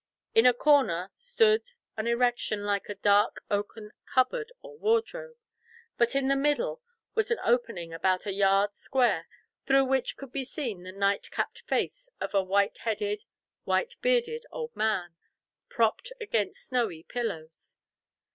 In a corner stood an erection like a dark oaken cupboard or wardrobe, but in the middle was an opening about a yard square through which could be seen the night capped face of a white headed, white bearded old man, propped against snowy pillows.